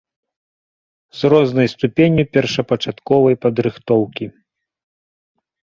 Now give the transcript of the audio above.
З рознай ступенню першапачатковай падрыхтоўкі.